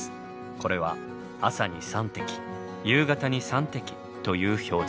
これは朝に３滴夕方に３滴という表示。